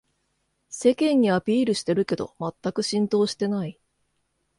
世間にアピールしてるけどまったく浸透してない